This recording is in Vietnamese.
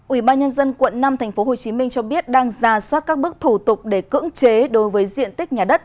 ủy ban nhân dân quận năm tp hcm cho biết đang ra soát các bước thủ tục để cưỡng chế đối với diện tích nhà đất